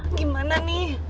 aduh bagaimana nih